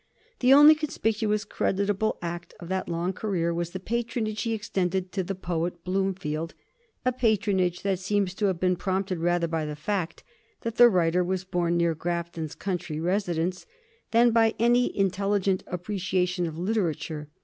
The only conspicuously creditable act of that long career was the patronage he extended to the poet Bloomfield, a patronage that seems to have been prompted rather by the fact that the writer was born near Grafton's country residence than by any intelligent appreciation of literature.